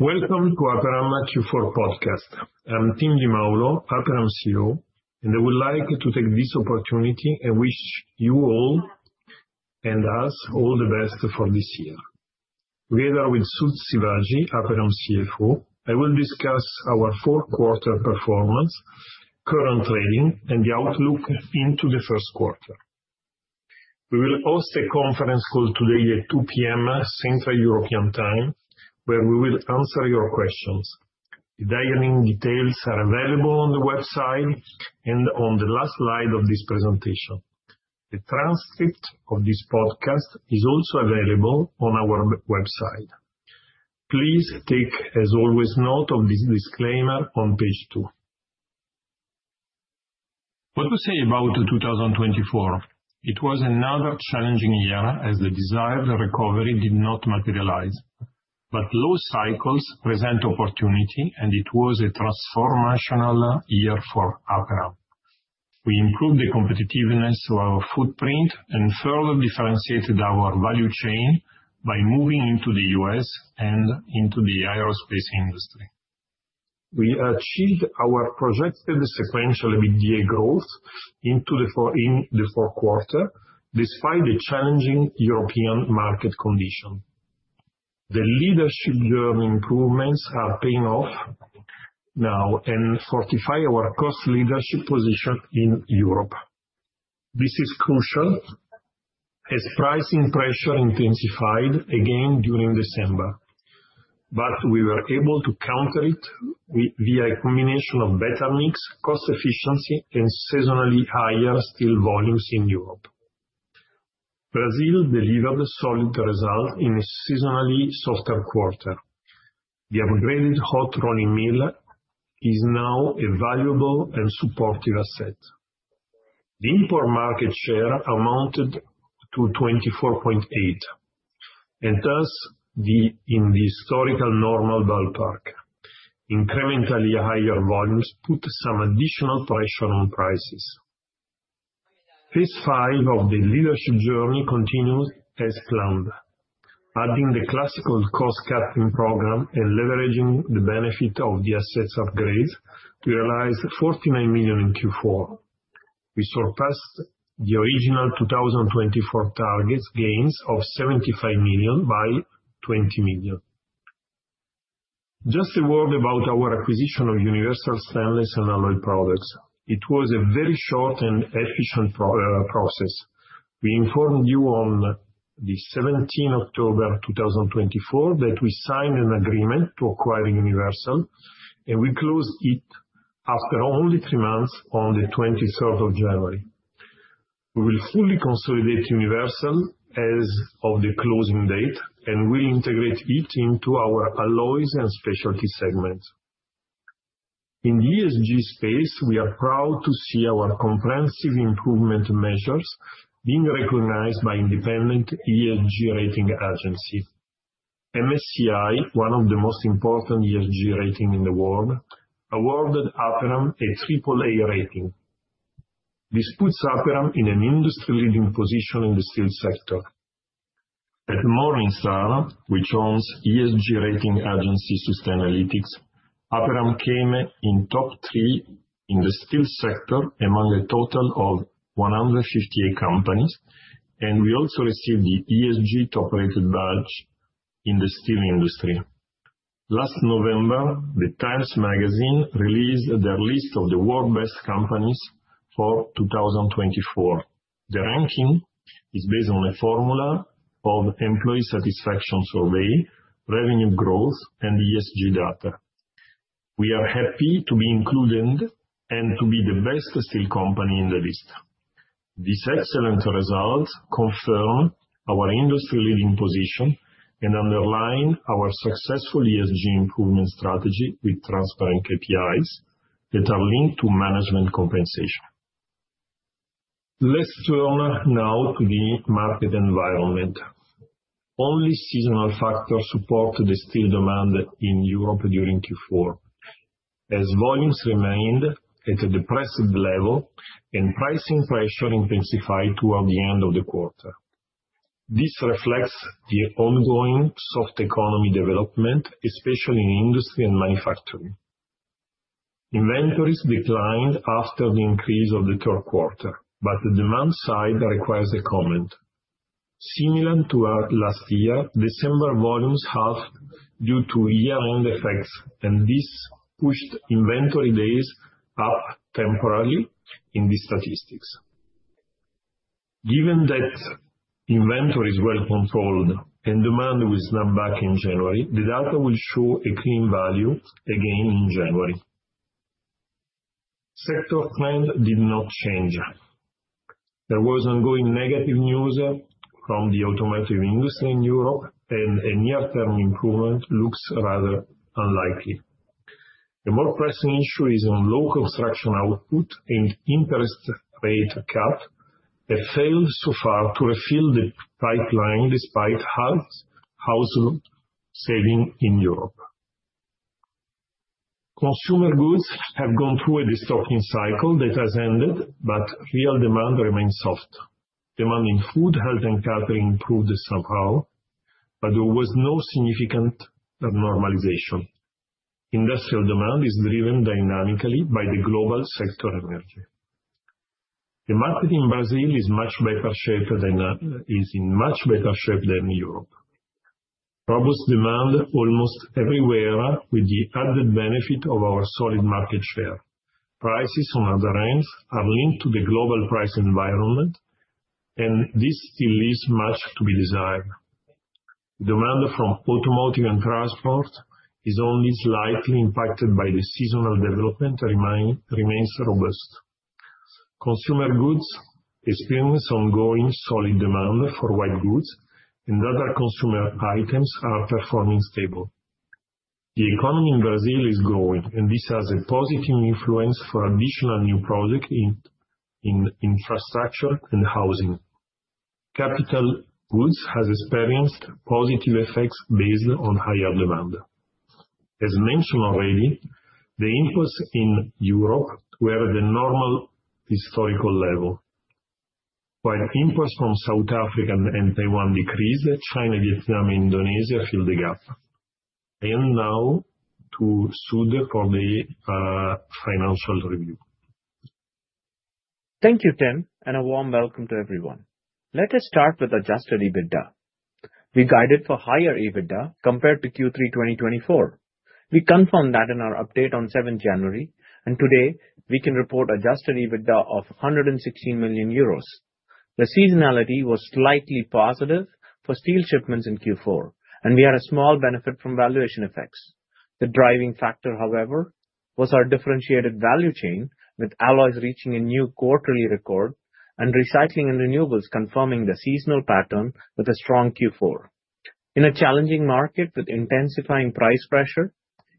Welcome to Aperam Q4 Podcast. I'm Tim Di Maulo, Aperam CEO, and I would like to take this opportunity and wish you all and us all the best for this year. Together with Sudh Sivaji, Aperam CFO, I will discuss our four-quarter performance, current trading, and the outlook into the first quarter. We will host a conference call today at 2:00 P.M. Central European Time, where we will answer your questions. The dial-in details are available on the website and on the last slide of this presentation. The transcript of this podcast is also available on our website. Please take, as always, note of this disclaimer on page two. What to say about 2024? It was another challenging year as the desired recovery did not materialize, but low cycles present opportunity, and it was a transformational year for Aperam. We improved the competitiveness of our footprint and further differentiated our value chain by moving into the U.S. and into the aerospace industry. We achieved our projected sequential EBITDA growth into the fourth quarter despite the challenging European market conditions. The Leadership Journey improvements are paying off now and fortify our cost leadership position in Europe. This is crucial as pricing pressure intensified again during December, but we were able to counter it via a combination of better mix, cost efficiency, and seasonally higher steel volumes in Europe. Brazil delivered solid results in a seasonally softer quarter. The upgraded hot rolling mill is now a valuable and supportive asset. The import market share amounted to 24.8%, and thus in the historical normal ballpark. Incrementally higher volumes put some additional pressure on prices. Phase IV of the Leadership Journey continues as planned, adding the classical cost-cutting program and leveraging the benefit of the assets upgrade to realize 49 million in Q4. We surpassed the original 2024 target gains of 75 million by 20 million. Just a word about our acquisition of Universal Stainless and Alloy Products. It was a very short and efficient process. We informed you on the 17th of October 2024 that we signed an agreement to acquire Universal, and we closed it after only three months on the 23rd of January. We will fully consolidate Universal as of the closing date and will integrate it into our Alloys & Specialty segments. In the ESG space, we are proud to see our comprehensive improvement measures being recognized by independent ESG rating agencies. MSCI, one of the most important ESG ratings in the world, awarded Aperam a AAA rating. This puts Aperam in an industry-leading position in the steel sector. At Morningstar, which owns ESG rating agency Sustainalytics, Aperam came in top three in the steel sector among a total of 158 companies, and we also received the ESG top-rated badge in the steel industry. Last November, TIME released their list of the world's best companies for 2024. The ranking is based on a formula of employee satisfaction survey, revenue growth, and ESG data. We are happy to be included and to be the best steel company in the list. These excellent results confirm our industry-leading position and underline our successful ESG improvement strategy with transparent KPIs that are linked to management compensation. Let's turn now to the market environment. Only seasonal factors support the steel demand in Europe during Q4, as volumes remained at a depressed level and pricing pressure intensified toward the end of the quarter. This reflects the ongoing soft economy development, especially in industry and manufacturing. Inventories declined after the increase of the third quarter, but the demand side requires a comment. Similar to last year, December volumes halved due to year-end effects, and this pushed inventory days up temporarily in the statistics. Given that inventory is well controlled and demand will snap back in January, the data will show a clean value again in January. Sector trend did not change. There was ongoing negative news from the automotive industry in Europe, and a near-term improvement looks rather unlikely. The more pressing issue is on low construction output and interest rate cut that failed so far to refill the pipeline despite household saving in Europe. Consumer goods have gone through a destocking cycle that has ended, but real demand remains soft. Demand in food, health, and catering improved somehow, but there was no significant normalization. Industrial demand is driven dynamically by the global sector energy. The market in Brazil is much better shaped than is in much better shape than Europe. Robust demand almost everywhere with the added benefit of our solid market share. Prices on other ends are linked to the global price environment, and this still leaves much to be desired. Demand from automotive and transport is only slightly impacted by the seasonal development and remains robust. Consumer goods experience ongoing solid demand for white goods, and other consumer items are performing stable. The economy in Brazil is growing, and this has a positive influence for additional new projects in infrastructure and housing. Capital goods have experienced positive effects based on higher demand. As mentioned already, the inputs in Europe were at the normal historical level. While inputs from South Africa and Taiwan decreased, China, Vietnam, and Indonesia filled the gap. I am now to Sudh for the financial review. Thank you, Tim, and a warm welcome to everyone. Let us start with Adjusted EBITDA. We guided for higher EBITDA compared to Q3 2024. We confirmed that in our update on 7th January, and today we can report Adjusted EBITDA of 116 million euros. The seasonality was slightly positive for steel shipments in Q4, and we had a small benefit from valuation effects. The driving factor, however, was our differentiated value chain with alloys reaching a new quarterly record and Recycling & Renewables confirming the seasonal pattern with a strong Q4.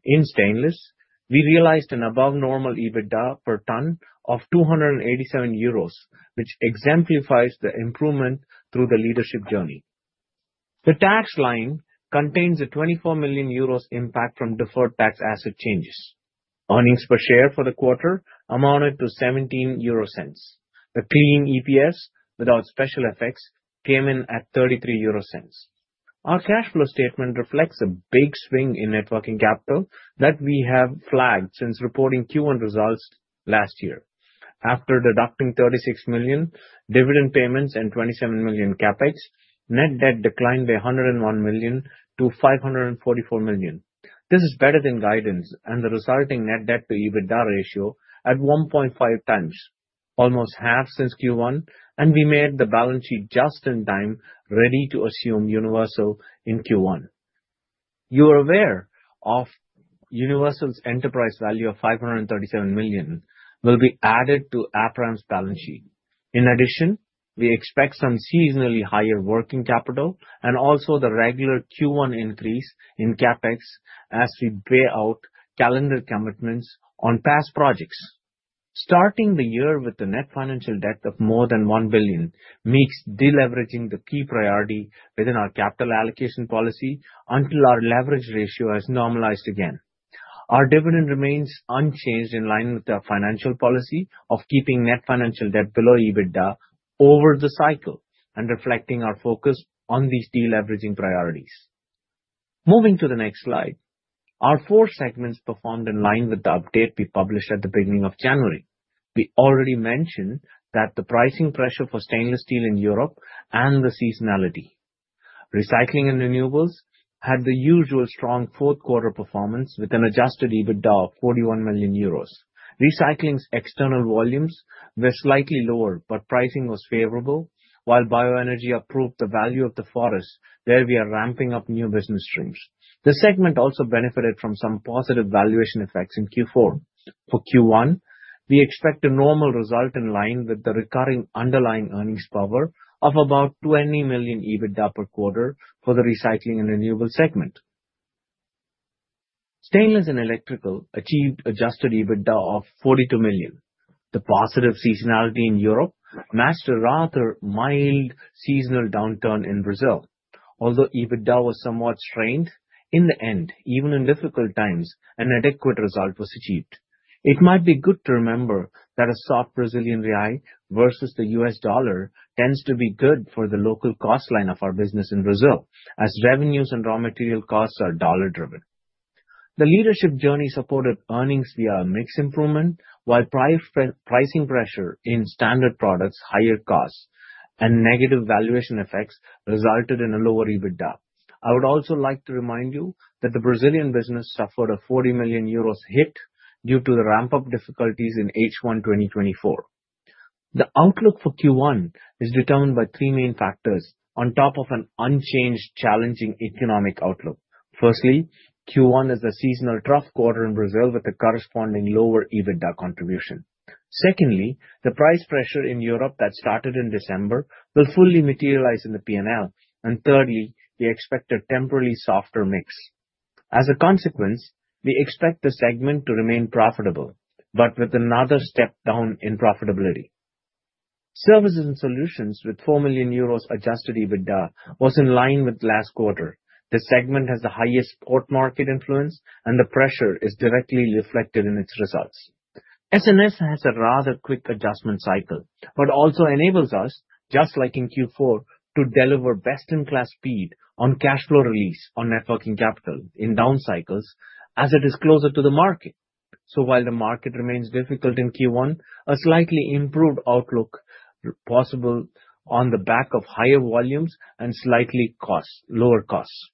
In a challenging market with intensifying price pressure in stainless, we realized an above-normal EBITDA per ton of 287 euros, which exemplifies the improvement through the Leadership Journey. The tax line contains a 24 million euros impact from deferred tax asset changes. Earnings per share for the quarter amounted to 17 euro. The Clean EPS without special effects came in at 33 euro. Our cash flow statement reflects a big swing in working capital that we have flagged since reporting Q1 results last year. After deducting 36 million dividend payments and 27 million CapEx, net debt declined by 101 million-544 million. This is better than guidance, and the resulting net debt to EBITDA ratio at 1.5x, almost half since Q1, and we made the balance sheet just in time ready to assume Universal in Q1. You are aware of Universal's enterprise value of 537 million will be added to Aperam's balance sheet. In addition, we expect some seasonally higher working capital and also the regular Q1 increase in CapEx as we pay out calendar commitments on past projects. Starting the year with a net financial debt of more than 1 billion makes deleveraging the key priority within our capital allocation policy until our leverage ratio has normalized again. Our dividend remains unchanged in line with the financial policy of keeping net financial debt below EBITDA over the cycle and reflecting our focus on these deleveraging priorities. Moving to the next slide, our four segments performed in line with the update we published at the beginning of January. We already mentioned that the pricing pressure for stainless steel in Europe, and the seasonality. Recycling & Renewables had the usual strong fourth quarter performance with an Adjusted EBITDA of 41 million euros. Recycling's external volumes were slightly lower, but pricing was favorable, while BioEnergia approved the value of the forests where we are ramping up new business streams. The segment also benefited from some positive valuation effects in Q4. For Q1, we expect a normal result in line with the recurring underlying earnings power of about 20 million EBITDA per quarter for the recycling and renewable segment. Stainless & Electrical achieved adjusted EBITDA of 42 million. The positive seasonality in Europe matched a rather mild seasonal downturn in Brazil. Although EBITDA was somewhat strained, in the end, even in difficult times, an adequate result was achieved. It might be good to remember that a soft Brazilian real versus the US dollar tends to be good for the local cost line of our business in Brazil, as revenues and raw material costs are dollar-driven. The Leadership Journey supported earnings via a mixed improvement, while pricing pressure in standard products, higher costs, and negative valuation effects resulted in a lower EBITDA. I would also like to remind you that the Brazilian business suffered a 40 million euros hit due to the ramp-up difficulties in H1 2024. The outlook for Q1 is determined by three main factors on top of an unchanged challenging economic outlook. Firstly, Q1 is a seasonal tough quarter in Brazil with a corresponding lower EBITDA contribution. Secondly, the price pressure in Europe that started in December will fully materialize in the P&L, and thirdly, we expect a temporarily softer mix. As a consequence, we expect the segment to remain profitable, but with another step down in profitability. Services & Solutions with 4 million euros Adjusted EBITDA was in line with last quarter. The segment has the highest spot market influence, and the pressure is directly reflected in its results. S&S has a rather quick adjustment cycle, but also enables us, just like in Q4, to deliver best-in-class speed on cash flow release on net working capital in down cycles as it is closer to the market. So while the market remains difficult in Q1, a slightly improved outlook is possible on the back of higher volumes and slightly lower costs.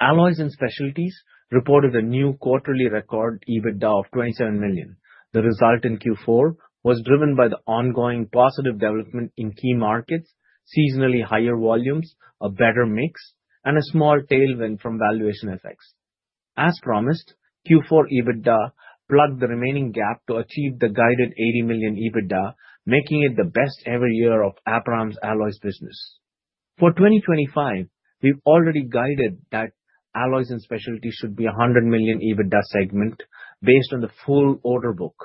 Alloys & Specialties reported a new quarterly record EBITDA of 27 million. The result in Q4 was driven by the ongoing positive development in key markets, seasonally higher volumes, a better mix, and a small tailwind from valuation effects. As promised, Q4 EBITDA plugged the remaining gap to achieve the guided 80 million EBITDA, making it the best ever year of Aperam's alloys business. For 2025, we've already guided that Alloys & Specialties should be a 100 million EBITDA segment based on the full order book,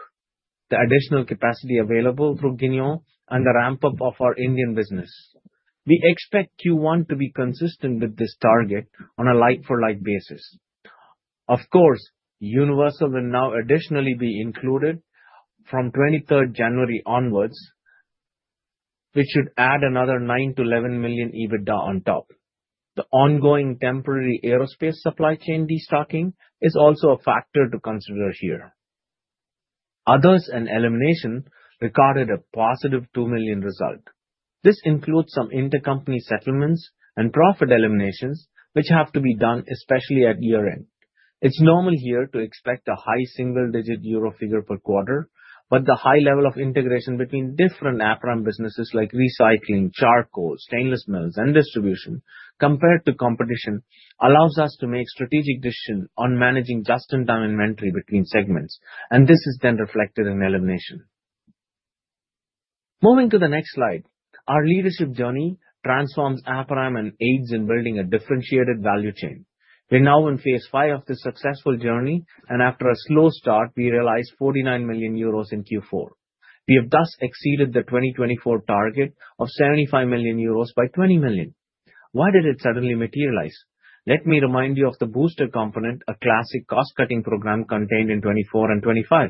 the additional capacity available through Gueugnon, and the ramp-up of our Indian business. We expect Q1 to be consistent with this target on a like-for-like basis. Of course, Universal will now additionally be included from 23rd January onwards, which should add another 9 million-11 million EBITDA on top. The ongoing temporary aerospace supply chain destocking is also a factor to consider here. Others & Eliminations recorded a positive 2 million result. This includes some intercompany settlements and profit eliminations, which have to be done especially at year-end. It's normal here to expect a high single-digit euro figure per quarter, but the high level of integration between different Aperam businesses like recycling, charcoal, stainless mills, and distribution compared to competition allows us to make strategic decisions on managing just-in-time inventory between segments, and this is then reflected in elimination. Moving to the next slide, our Leadership Journey transforms Aperam and aids in building a differentiated value chain. We're now in Phase IV of this successful journey, and after a slow start, we realized 49 million euros in Q4. We have thus exceeded the 2024 target of 75 million euros by 20 million. Why did it suddenly materialize? Let me remind you of the booster component, a classic cost-cutting program contained in 2024 and 2025.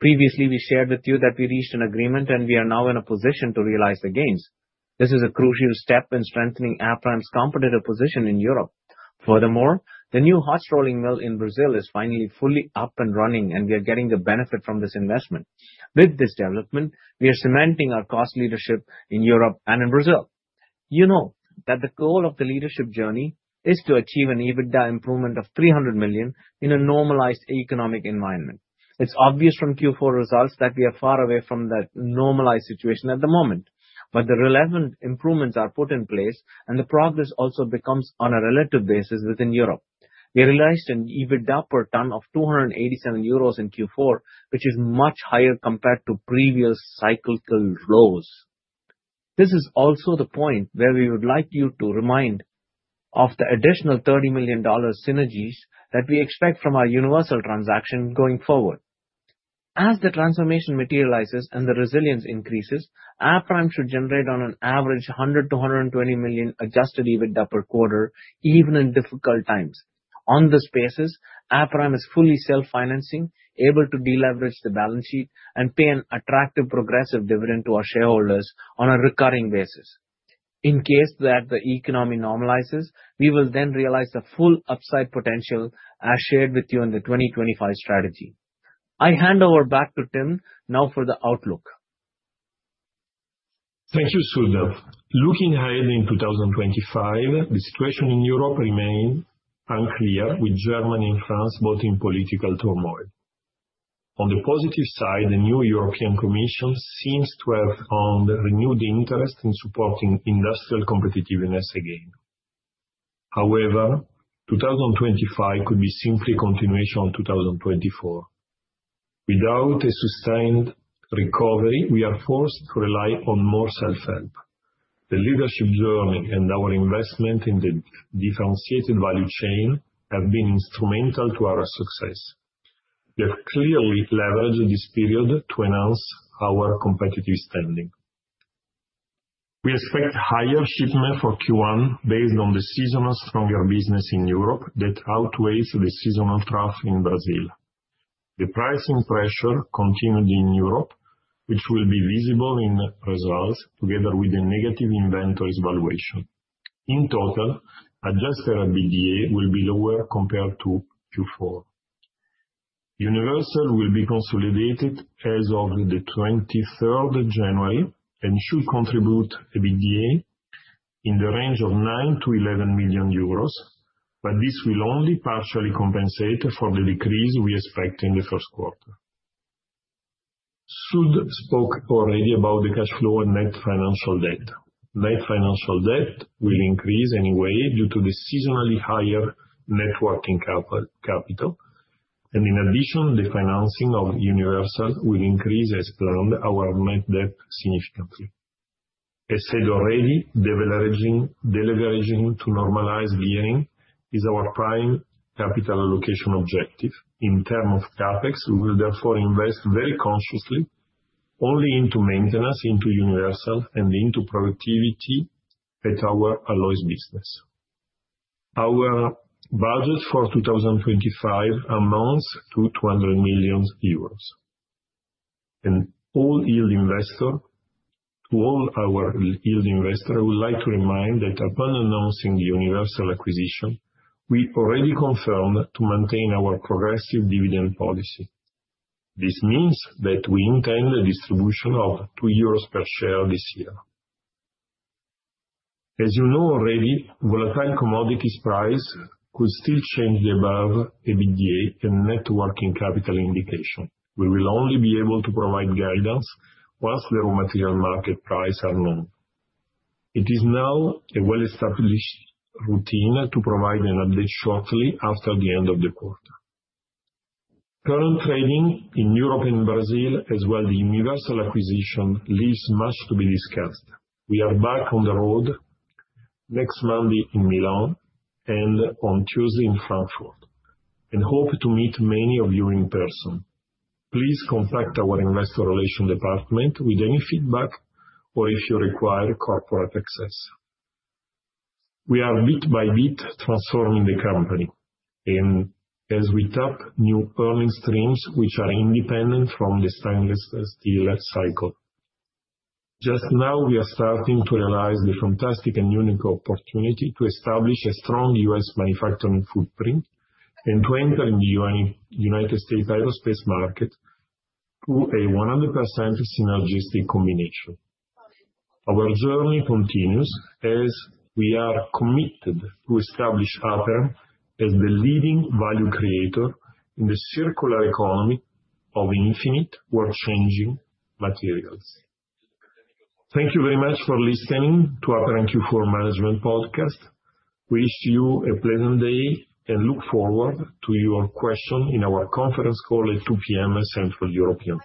Previously, we shared with you that we reached an agreement, and we are now in a position to realize the gains. This is a crucial step in strengthening Aperam's competitive position in Europe. Furthermore, the new hot-rolling mill in Brazil is finally fully up and running, and we are getting the benefit from this investment. With this development, we are cementing our cost leadership in Europe and in Brazil. You know that the goal of the Leadership Journey is to achieve an EBITDA improvement of 300 million in a normalized economic environment. It's obvious from Q4 results that we are far away from that normalized situation at the moment, but the relevant improvements are put in place, and the progress also becomes on a relative basis within Europe. We realized an EBITDA per ton of 287 euros in Q4, which is much higher compared to previous cyclical lows. This is also the point where we would like you to remind of the additional $30 million synergies that we expect from our Universal transaction going forward. As the transformation materializes and the resilience increases, Aperam should generate on an average 100 million-120 million Adjusted EBITDA per quarter, even in difficult times. On this basis, Aperam is fully self-financing, able to deleverage the balance sheet and pay an attractive progressive dividend to our shareholders on a recurring basis. In case that the economy normalizes, we will then realize the full upside potential as shared with you in the 2025 strategy. I hand over back to Tim now for the outlook. Thank you, Sudh. Looking ahead in 2025, the situation in Europe remains unclear, with Germany and France both in political turmoil. On the positive side, the new European Commission seems to have found renewed interest in supporting industrial competitiveness again. However, 2025 could be simply a continuation of 2024. Without a sustained recovery, we are forced to rely on more self-help. The Leadership Journey and our investment in the differentiated value chain have been instrumental to our success. We have clearly leveraged this period to enhance our competitive standing. We expect higher shipment for Q1 based on the seasonal stronger business in Europe that outweighs the seasonal trough in Brazil. The pricing pressure continued in Europe, which will be visible in results together with the negative inventory's valuation. In total, Adjusted EBITDA will be lower compared to Q4. Universal will be consolidated as of the 23rd of January and should contribute EBITDA in the range of 9 million-11 million euros, but this will only partially compensate for the decrease we expect in the first quarter. Sudh spoke already about the cash flow and net financial debt. Net financial debt will increase anyway due to the seasonally higher working capital, and in addition, the financing of Universal will increase, as planned, our net debt significantly. As said already, deleveraging to normalize gearing is our prime capital allocation objective. In terms of CapEx, we will therefore invest very consciously only into maintenance, into Universal, and into productivity at our alloys business. Our budget for 2025 amounts to 200 million euros. To all yield investors, to all our yield investors, I would like to remind that upon announcing the Universal acquisition, we already confirmed to maintain our progressive dividend policy. This means that we intend a distribution of 2 euros per share this year. As you know already, volatile commodities prices could still change the above EBITDA and net working capital indication. We will only be able to provide guidance once the raw material market prices are known. It is now a well-established routine to provide an update shortly after the end of the quarter. Current trading in Europe and Brazil, as well as the Universal acquisition, leaves much to be discussed. We are back on the road next Monday in Milan and on Tuesday in Frankfurt, and hope to meet many of you in person. Please contact our investor relations department with any feedback or if you require corporate access. We are bit by bit transforming the company and as we tap new earnings streams which are independent from the stainless steel cycle. Just now, we are starting to realize the fantastic and unique opportunity to establish a strong U.S. manufacturing footprint and to enter in the United States aerospace market through a 100% synergistic combination. Our journey continues as we are committed to establish Aperam as the leading value creator in the circular economy of infinite world-changing materials. Thank you very much for listening to Aperam Q4 Management Podcast. We wish you a pleasant day and look forward to your question in our conference call at 2:00 P.M. Central European.